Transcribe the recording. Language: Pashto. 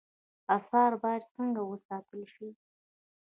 آثار باید څنګه وساتل شي؟